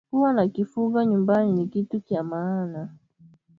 Kuwa na kifugo nyumbani ni kitu kya maana